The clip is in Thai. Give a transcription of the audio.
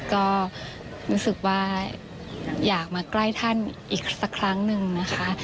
ก็รู้สึกว่าอยากมาใกล้ท่านอีกสักครั้งหนึ่งนะคะ